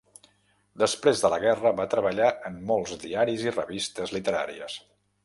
Després de la guerra va treballar en molts diaris i revistes literàries.